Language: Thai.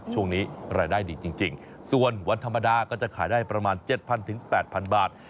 ช่วงนี้รายได้ดีจริงส่วนวันธรรมดาก็จะขายได้ประมาณ๗๐๐๘๐๐บาท